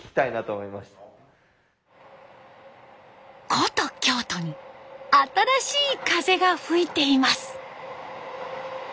古都京都に新しい風が吹いています。